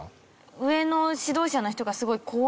上の指導者の人がすごい怖いイメージです。